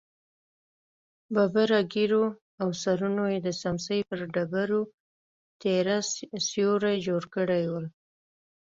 ببرو ږېرو او سرونو يې د سمڅې پر ډبرو تېره سيوري جوړ کړي ول.